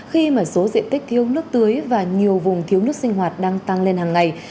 khi mà số diện tích thiếu nước tưới và nhiều vùng thiếu nước sinh hoạt đang tăng lên hàng ngày